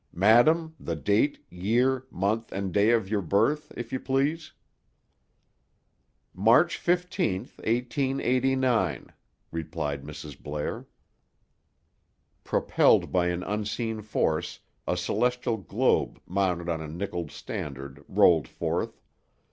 Madam, the date, year, month and day of your birth, if you please?" "March 15th, 1889," replied Mrs. Blair. Propelled by an unseen force, a celestial globe mounted on a nickeled standard, rolled forth.